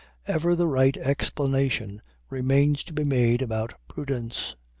Ever the right explanation remains to be made about prudence.